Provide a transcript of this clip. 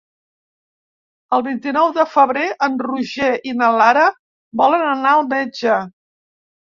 El vint-i-nou de febrer en Roger i na Lara volen anar al metge.